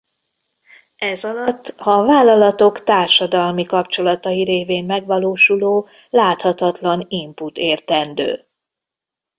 Ez alatt a vállalatok társadalmi kapcsolatai révén megvalósuló láthatatlan input értendő.